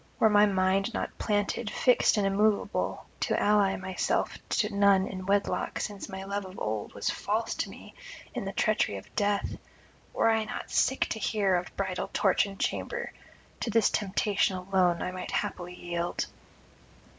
Were my mind not planted, fixed and immoveable, to ally myself to none in wedlock since my love of old was false to me in the treachery of death; were I not sick to the heart of bridal torch and chamber, to this temptation alone I might haply yield.